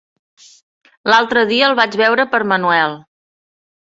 L'altre dia el vaig veure per Manuel.